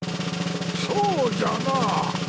そうじゃなあ